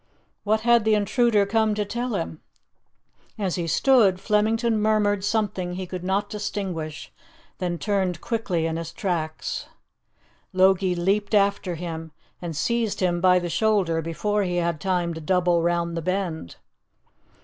What had the intruder come to tell him? As he stood, Flemington murmured something he could not distinguish, then turned quickly in his tracks. Logie leaped after him, and seized him by the shoulder before he had time to double round the bend.